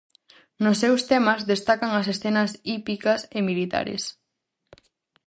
Nos seus temas destacan as escenas hípicas e militares.